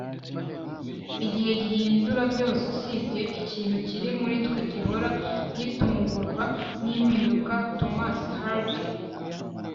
igihe gihindura byose usibye ikintu kiri muri twe gihora gitungurwa nimpinduka. - thomas hardy